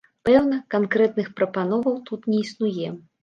Пэўна, канкрэтных прапановаў тут не існуе.